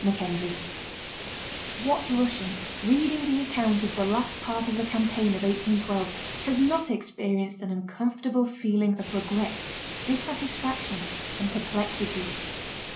CHAPTER XIX What Russian, reading the account of the last part of the campaign of 1812, has not experienced an uncomfortable feeling of regret, dissatisfaction, and perplexity?